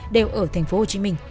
đều ở thành phố hồ chí minh